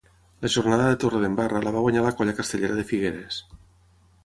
La jornada de Torredembarra la va guanyar la Colla Castellera de Figueres.